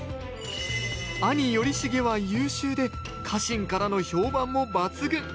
兄頼重は優秀で家臣からの評判も抜群。